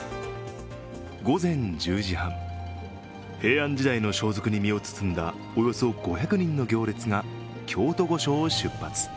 午前１０時半、平安時代の装束に身を包んだおよそ５００人の行列が京都御所を出発。